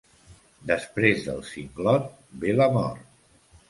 Després del singlot ve la mort.